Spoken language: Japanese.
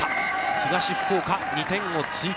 東福岡、２点を追加。